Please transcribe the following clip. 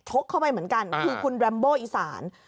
กเข้าไปเหมือนกันคือคุณแรมโบอีสาน